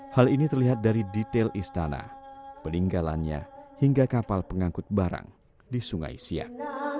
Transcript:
hal ini terlihat dari detail istana peninggalannya hingga kapal pengangkut barang di sungai siak